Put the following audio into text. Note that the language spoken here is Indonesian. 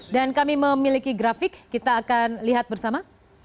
dan kami memiliki grafik kita akan lihat bersama